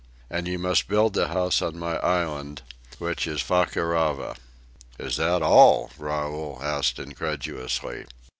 And you must build the house on my island, which is Fakarava." "Is that all?" Raoul asked incredulously.